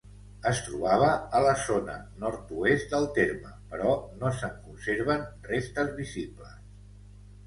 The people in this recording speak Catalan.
Es trobava a la zona nord-oest del terme, però no se'n conserven restes visibles.